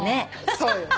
そうよね。